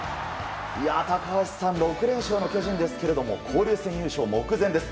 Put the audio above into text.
高橋選手６連勝の巨人ですけども交流戦優勝目前です。